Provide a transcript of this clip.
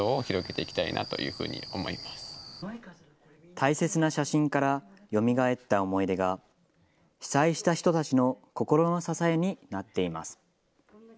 大切な写真からよみがえった思い出が被災した人たちの心の支えになっています。